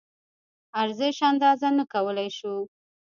ارزش اندازه نه کولی شو.